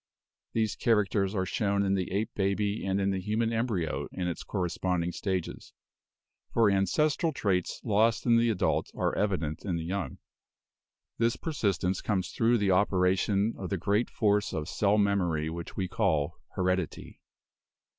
These characters are shown in the ape baby and in the human embryo in its corresponding stages, for an cestral traits lost in the adult are evident in the young. This persistence comes through the operation of the great force of cell memory which we call heredity.